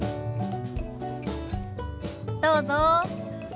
どうぞ。